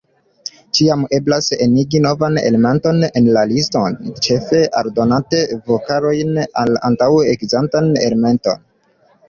Ĉiam eblas enigi novan elementon en la liston, ĉefe aldonante vokalojn al antaŭ-ekzistanta elemento.